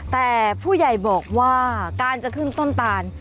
แต่ผู้ใหญ่บอกว่าการจะขึ้นต้นตาล